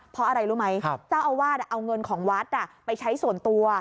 เพราะอะไรรู้ไหมเจ้าอาวาสเอาเงินของวัดไปใช้ส่วนตัว